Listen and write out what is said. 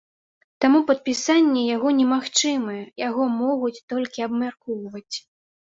Таму падпісанне яго немагчымае, яго могуць толькі абмяркоўваць.